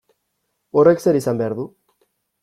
Horrek zer izan behar du?